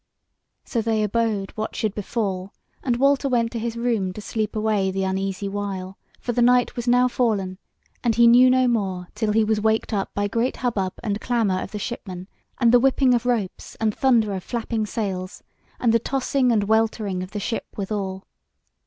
So they abode what should befall, and Walter went to his room to sleep away the uneasy while, for the night was now fallen; and he knew no more till he was waked up by great hubbub and clamour of the shipmen, and the whipping of ropes, and thunder of flapping sails, and the tossing and weltering of the ship withal.